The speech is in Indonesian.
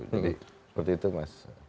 jadi seperti itu mas